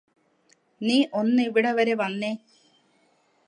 നീ ഒന്നിവിടെവരെ വന്നേ.